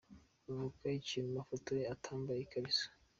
Avuga iki ku mafoto ye atambaye ikariso ?.